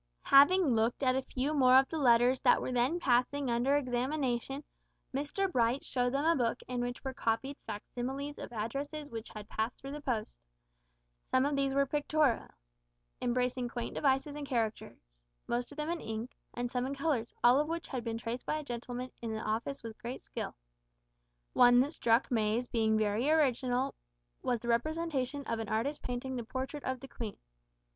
Having looked at a few more of the letters that were then passing under examination, Mr Bright showed them a book in which were copied facsimiles of addresses which had passed through the post. Some of these were pictorial embracing quaint devices and caricatures, most of them in ink, and some in colours, all of which had been traced by a gentleman in the office with great skill. One that struck May as being very original was the representation of an artist painting the portrait of the Queen.